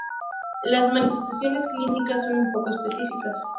Las manifestaciones clínicas son poco específicas.